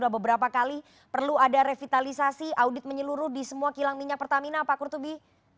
beberapa kali perlu ada revitalisasi audit menyeluruh di semua kilang minyak pertamina pak kurtubi